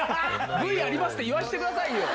ＶＴＲありますって言わしてくださいよ！